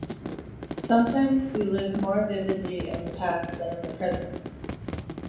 Sometimes, we live more vividly in the past than in the present.